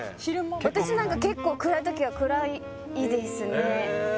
私何か結構暗い時は暗いですねへえ